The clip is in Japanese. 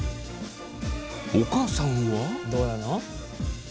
お母さんは？